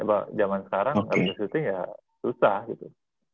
ya pak zaman sekarang kalau lo nggak bisa shooting ya susah gitu